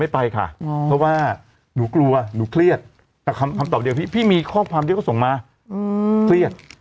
ไปค่ะเพราะว่าหนูกลัวหนูเครียดแต่คำตอบเดียวพี่มีข้อความที่เขาส่งมาเครียด